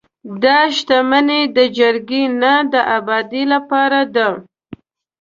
دا شتمنۍ د جګړې نه، د ابادۍ لپاره دي.